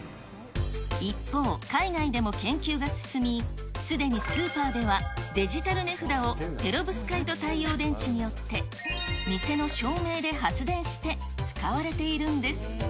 一方、海外でも研究が進み、すでにスーパーではデジタル値札をペロブスカイト太陽電池によって店の照明で発電して、使われているんです。